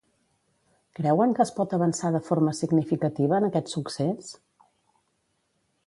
Creuen que es pot avançar de forma significativa en aquest succés?